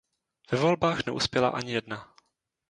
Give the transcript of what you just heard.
Ve volbách neuspěla ani jedna.